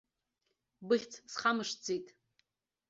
Быхьӡ схамышҭӡеит.